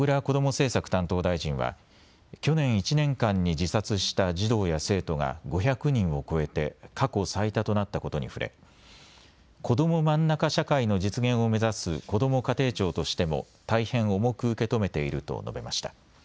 政策担当大臣は去年１年間に自殺した児童や生徒が５００人を超えて過去最多となったことに触れこどもまんなか社会の実現を目指すこども家庭庁としても大変重く受け止めていると述べました。